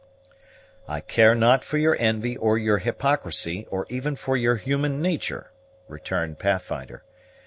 "I care not for your envy, or your hypocrisy, or even for your human natur'," returned Pathfinder.